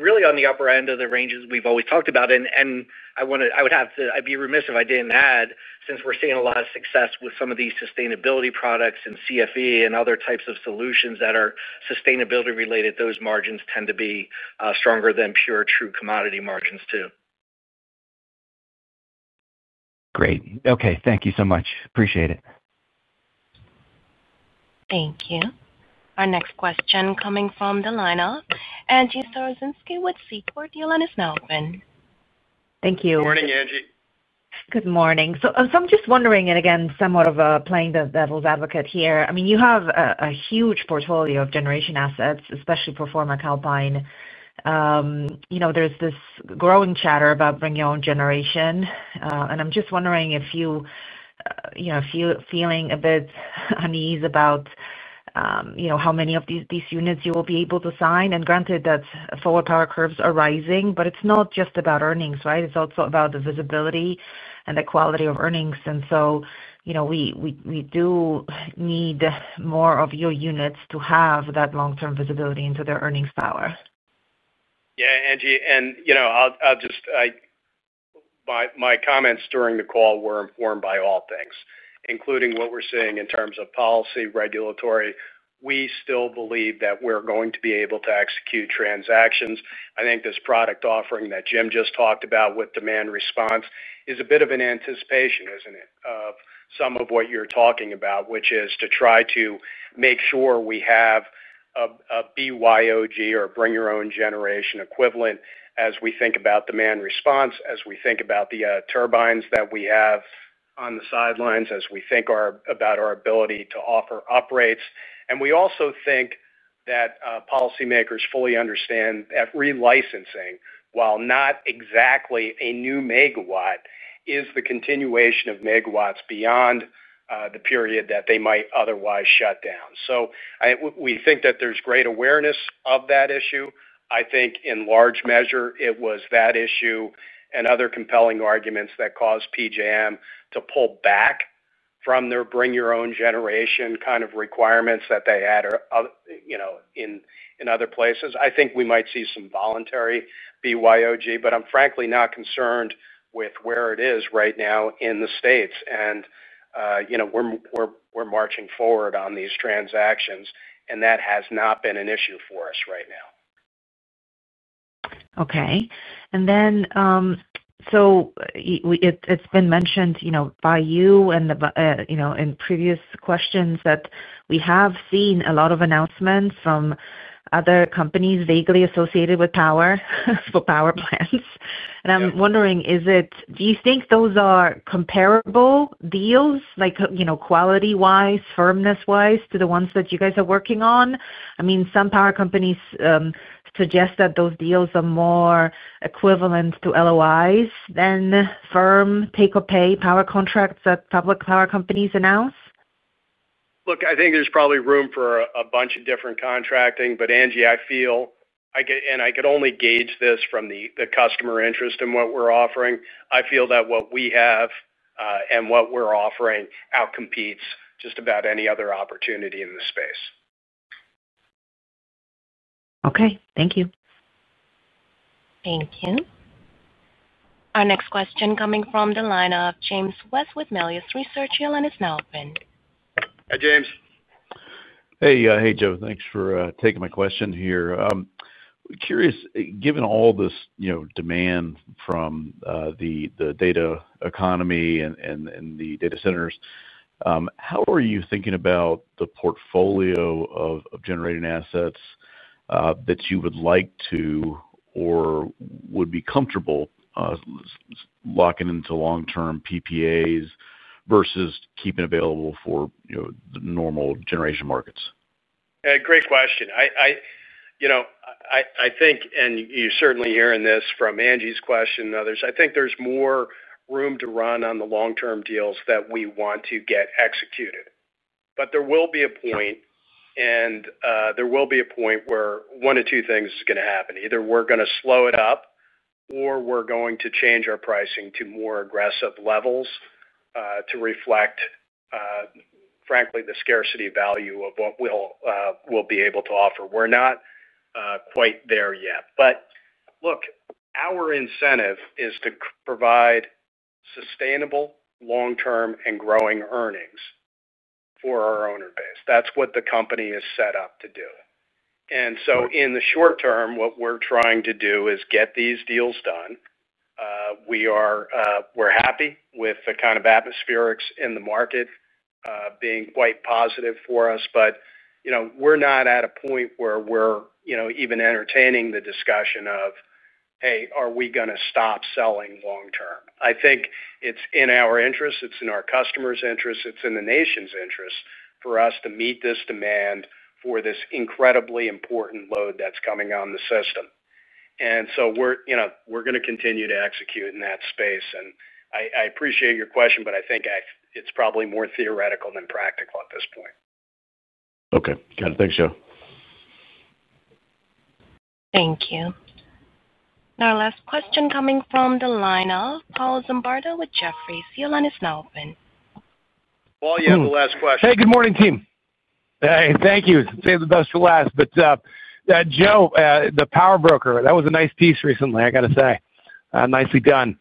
really on the upper end of the ranges we've always talked about. I would have to say I would be remiss if I did not add, since we're seeing a lot of success with some of these sustainability products and CFE and other types of solutions that are sustainability-related, those margins tend to be stronger than pure true commodity margins too. Great. Okay. Thank you so much. Appreciate it. Thank you. Our next question coming from the lineup. Angie Storozynski with Seaport. Your line is now open. Thank you. Good morning, Angie. Good morning. I'm just wondering, and again, somewhat of a playing the devil's advocate here, I mean, you have a huge portfolio of generation assets, especially for former Calpine. There's this growing chatter about bringing your own generation. I'm just wondering if you're feeling a bit unease about how many of these units you will be able to sign. Granted, forward power curves are rising, but it's not just about earnings, right? It's also about the visibility and the quality of earnings. We do need more of your units to have that long-term visibility into their earnings power. Yeah, Angie. My comments during the call were informed by all things, including what we're seeing in terms of policy, regulatory. We still believe that we're going to be able to execute transactions. I think this product offering that Jim just talked about with demand response is a bit of an anticipation, is it not, of some of what you are talking about, which is to try to make sure we have a BYOG or bring your own generation equivalent as we think about demand response, as we think about the turbines that we have on the sidelines, as we think about our ability to offer up rates. We also think that policymakers fully understand that relicensing, while not exactly a new megawatt, is the continuation of megawatts beyond the period that they might otherwise shut down. We think that there is great awareness of that issue. I think in large measure, it was that issue and other compelling arguments that caused PJM to pull back from their bring your own generation kind of requirements that they had in other places. I think we might see some voluntary BYOG, but I'm frankly not concerned with where it is right now in the States. We're marching forward on these transactions, and that has not been an issue for us right now. Okay. It's been mentioned by you and in previous questions that we have seen a lot of announcements from other companies vaguely associated with power for power plants. I'm wondering, do you think those are comparable deals, quality-wise, firmness-wise, to the ones that you guys are working on? I mean, some power companies suggest that those deals are more equivalent to LOIs than firm pay-for-pay power contracts that public power companies announce. Look, I think there's probably room for a bunch of different contracting. But Angie, I feel—and I could only gauge this from the customer interest in what we're offering—I feel that what we have and what we're offering outcompetes just about any other opportunity in the space. Okay. Thank you. Thank you. Our next question coming from the line of James West with Melius Research. Your line is now open. Hi, James. Hey, Joe. Thanks for taking my question here. Curious, given all this demand from the data economy and the data centers, how are you thinking about the portfolio of generating assets that you would like to or would be comfortable locking into long-term PPAs versus keeping available for the normal generation markets? Great question. I think—and you're certainly hearing this from Angie's question and others—I think there's more room to run on the long-term deals that we want to get executed. There will be a point, and there will be a point where one of two things is going to happen. Either we're going to slow it up, or we're going to change our pricing to more aggressive levels to reflect, frankly, the scarcity value of what we'll be able to offer. We're not quite there yet. Look, our incentive is to provide sustainable, long-term, and growing earnings for our owner base. That's what the company is set up to do. In the short term, what we're trying to do is get these deals done. We're happy with the kind of atmospherics in the market being quite positive for us. We're not at a point where we're even entertaining the discussion of, "Hey, are we going to stop selling long-term?" I think it's in our interests. It's in our customers' interests. It's in the nation's interest for us to meet this demand for this incredibly important load that's coming on the system. We're going to continue to execute in that space. I appreciate your question, but I think it's probably more theoretical than practical at this point. Okay. Got it. Thanks, Joe. Thank you. Our last question coming from the line of Paul Zimbardo with Jefferies. Your line is now open. Paul, you have the last question. Hey, good morning, team. Hey, thank you. Save the best for last. Joe, the power broker, that was a nice piece recently, I got to say. Nicely done.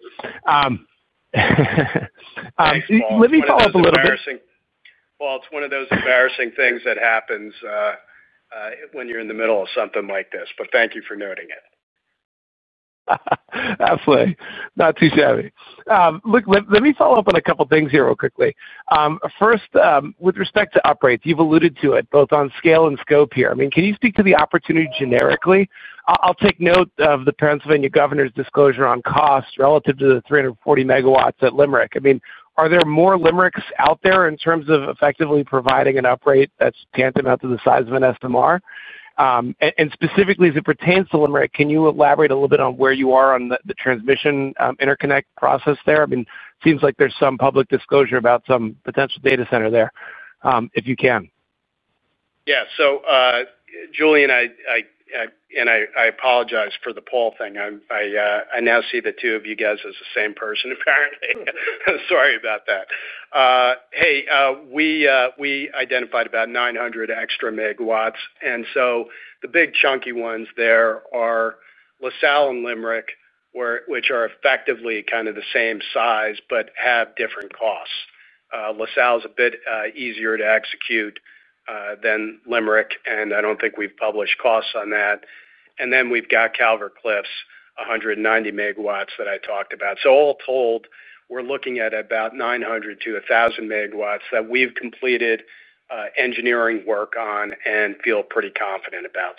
Let me follow up a little bit. It's one of those embarrassing things that happens when you're in the middle of something like this. Thank you for noting it. Absolutely. Not too shabby. Look, let me follow up on a couple of things here real quickly. First, with respect to uprates, you've alluded to it both on scale and scope here. I mean, can you speak to the opportunity generically? I'll take note of the Pennsylvania governor's disclosure on cost relative to the 340 MW at Limerick. I mean, are there more Limericks out there in terms of effectively providing an uprate that's tantamount to the size of an SMR? And specifically, as it pertains to Limerick, can you elaborate a little bit on where you are on the transmission interconnect process there? I mean, it seems like there's some public disclosure about some potential data center there, if you can. Yeah. So Julian, and I apologize for the Paul thing. I now see the two of you guys as the same person, apparently. Sorry about that. Hey, we identified about 900 extra megawatts. The big chunky ones there are LaSalle and Limerick, which are effectively kind of the same size but have different costs. LaSalle is a bit easier to execute than Limerick, and I do not think we have published costs on that. Then we have got Calvert Cliffs, 190 MW that I talked about. All told, we are looking at about 900 MW-1,000 MW that we have completed engineering work on and feel pretty confident about.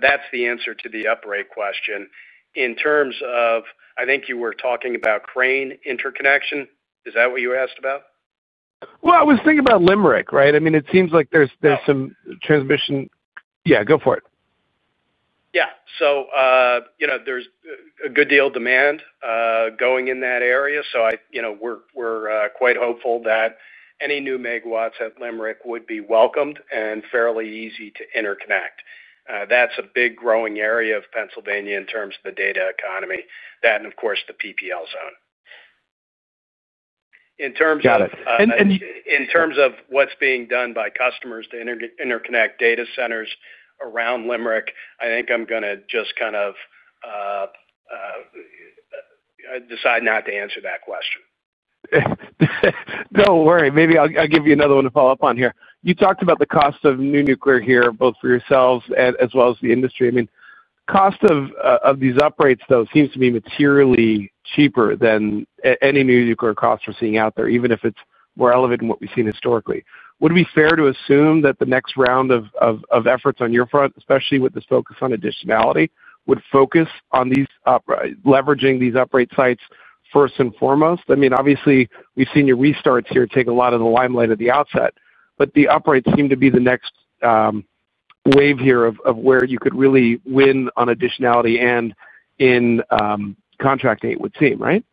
That is the answer to the up rate question. In terms of, I think you were talking about Crane interconnection. Is that what you asked about? I was thinking about Limerick, right? I mean, it seems like there is some transmission. Yeah. Go for it. Yeah. There is a good deal of demand going in that area. We're quite hopeful that any new megawatts at Limerick would be welcomed and fairly easy to interconnect. That's a big growing area of Pennsylvania in terms of the data economy. That, and of course, the PPL zone. In terms of what's being done by customers to interconnect data centers around Limerick, I think I'm going to just kind of decide not to answer that question. Don't worry. Maybe I'll give you another one to follow up on here. You talked about the cost of new nuclear here, both for yourselves as well as the industry. I mean, the cost of these uprates, though, seems to be materially cheaper than any new nuclear cost we're seeing out there, even if it's more elevated than what we've seen historically. Would it be fair to assume that the next round of efforts on your front, especially with this focus on additionality, would focus on leveraging these uprate sites first and foremost? I mean, obviously, we have seen your restarts here take a lot of the limelight at the outset. The uprates seem to be the next wave here of where you could really win on additionality and in contracting, it would seem, right?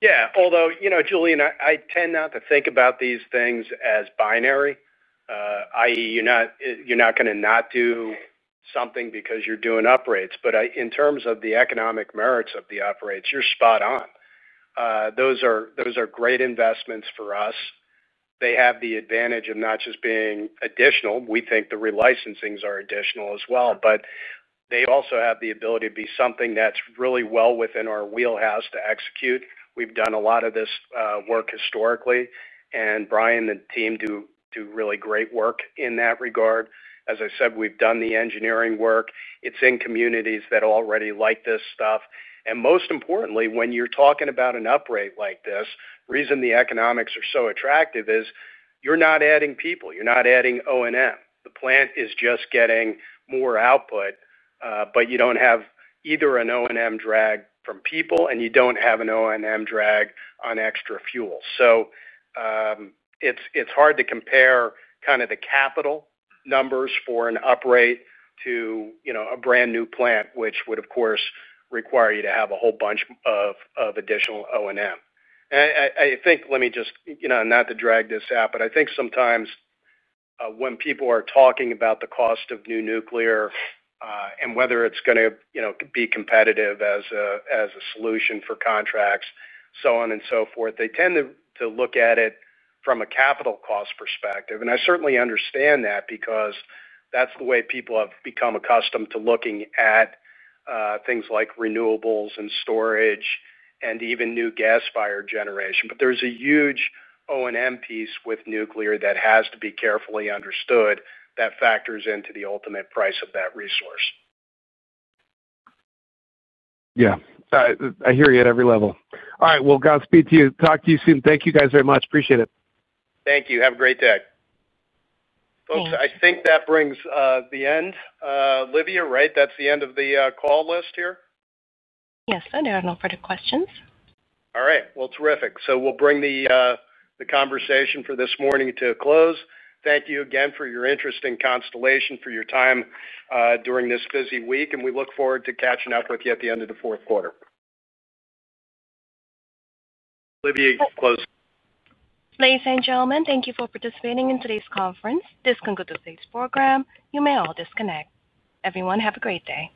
Yeah. Although, Julian, I tend not to think about these things as binary, i.e., you are not going to not do something because you are doing uprates. In terms of the economic merits of the uprates, you are spot on. Those are great investments for us. They have the advantage of not just being additional. We think the relicensings are additional as well. They also have the ability to be something that's really well within our wheelhouse to execute. We've done a lot of this work historically. Brian and the team do really great work in that regard. As I said, we've done the engineering work. It's in communities that already like this stuff. Most importantly, when you're talking about an up rate like this, the reason the economics are so attractive is you're not adding people. You're not adding O&M. The plant is just getting more output, but you do not have either an O&M drag from people, and you do not have an O&M drag on extra fuel. It's hard to compare kind of the capital numbers for an up rate to a brand new plant, which would, of course, require you to have a whole bunch of additional O&M. I think, let me just—not to drag this out, but I think sometimes when people are talking about the cost of new nuclear and whether it's going to be competitive as a solution for contracts, so on and so forth, they tend to look at it from a capital cost perspective. I certainly understand that because that's the way people have become accustomed to looking at things like renewables and storage and even new gas fire generation. There is a huge O&M piece with nuclear that has to be carefully understood that factors into the ultimate price of that resource. Yeah. I hear you at every level. All right. Godspeed to you. Talk to you soon. Thank you guys very much. Appreciate it. Thank you. Have a great day. Folks, I think that brings the end. Olivia, right? That's the end of the call list here? Yes. I don't have further questions. All right. Terrific. We'll bring the conversation for this morning to a close. Thank you again for your interest in Constellation, for your time during this busy week. We look forward to catching up with you at the end of the fourth quarter. Olivia, you can close. Ladies and gentlemen, thank you for participating in today's conference. This concludes today's program. You may all disconnect. Everyone, have a great day.